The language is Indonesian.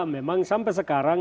memang sampai sekarang